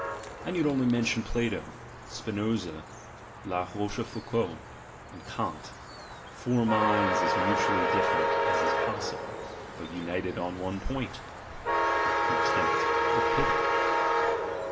I need only mention Plato, Spinoza, La Rochefoucauld, and Kant— four minds viii PREFACE as mutually different as is possible, but united on one point; their contempt of pity.